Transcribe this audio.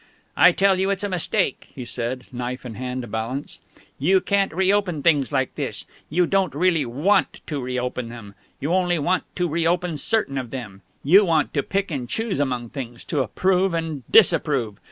"I tell you, it's a mistake," he said, knife and hand balanced. "You can't reopen things like this. You don't really want to reopen them; you only want to reopen certain of them; you want to pick and choose among things, to approve and disapprove.